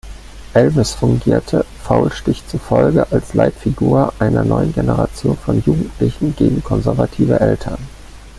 Elvis fungierte Faulstich zufolge als Leitfigur einer neuen Generation von Jugendlichen gegen konservative Eltern.